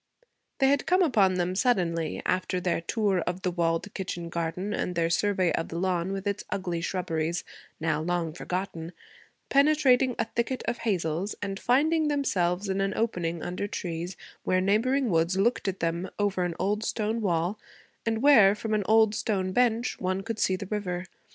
They had come upon them suddenly, after their tour of the walled kitchen garden and their survey of the lawn with its ugly shrubberies, now long forgotten, penetrating a thicket of hazels and finding themselves in an opening under trees where neighboring woods looked at them over an old stone wall, and where, from an old stone bench, one could see the river.